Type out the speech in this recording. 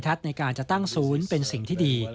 ในการจะตั้งศูนย์เป็นสิ่งที่ดี